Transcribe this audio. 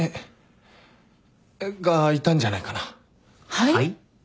はい？